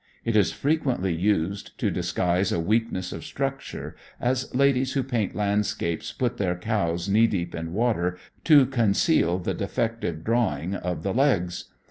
It is frequently used to disguise a weakness of structure, as ladies who paint landscapes put their cows knee deep in water to conceal the defective drawing of the legs.